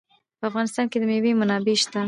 په افغانستان کې د مېوې منابع شته.